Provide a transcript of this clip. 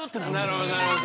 なるほどなるほど。